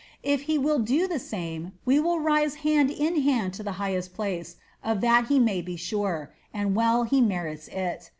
If he will do the same, we will rise hand in hand to the highest place, of that he may be sure and well he merits it.